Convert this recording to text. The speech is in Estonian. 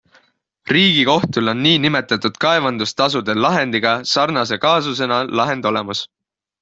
Riigikohtul on niinimetatud kaevandustasude lahendiga sarnase kaasusena lahend olemas.